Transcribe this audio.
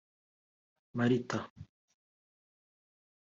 “Marita”